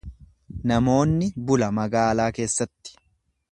Namoonni bula magaalaa keessatti.